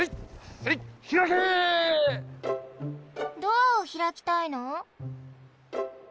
ドアをひらきたいの？